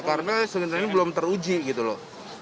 ya karena semestinya belum teruji gitu loh